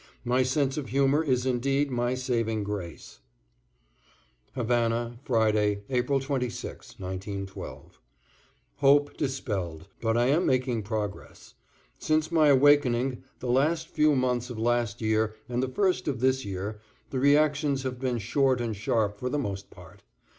My sense of humor is indeed my saving grace. =Havana, Friday, April 26, 1912.= Hope dispelled, but I am making progress. Since my awakening the last few months of last year and the first of this year, the reactions have been short and sharp for the most part.